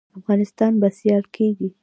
افغانستان به سیال کیږي؟